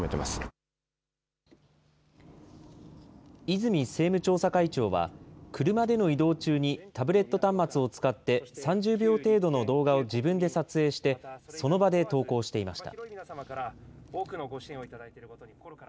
泉政務調査会長は、車での移動中にタブレット端末を使って、３０秒程度の動画を自分で撮影して、その場で投稿していました。